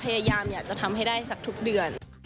พยายามอยากจะทำให้ได้สักทุกเดือน